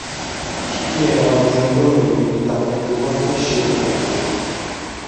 ئىككى يېنىغا جۇڭگو ھۆكۈمىتى تەقدىم قىلغان تاش شىر ئورنىتىلغان.